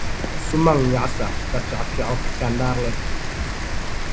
Su maŋ nyaɣisa, ka fiɛɣufiɛɣu, ka narili.